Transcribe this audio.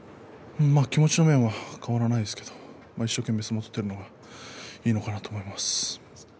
気持ちの面は変わりませんけど一生懸命、相撲を取っているのがいいのかなと思います。